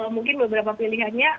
mungkin beberapa pilihannya ada